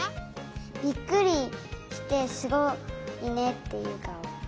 ビックリして「すごいね」っていうかお。